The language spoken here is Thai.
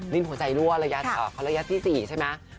ลิ้นหัวใจรั่วระยะที่๔ใช่ไหม